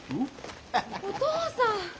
お父さん！